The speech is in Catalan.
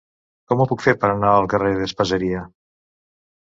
Com ho puc fer per anar al carrer d'Espaseria?